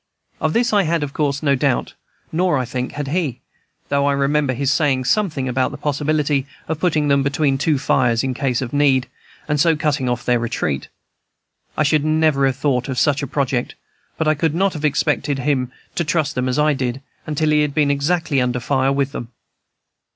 Of this I had, of course, no doubt, nor, I think, had he; though I remember his saying something about the possibility of putting them between two fires in case of need, and so cutting off their retreat. I should never have thought of such a project, but I could not have expected bun to trust them as I did, until he had been actually under fire with them.